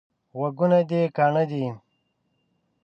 غوږونه دي کاڼه دي؟